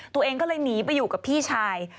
ตัวเองก็เลยหนีไปอยู่กับพี่ชาย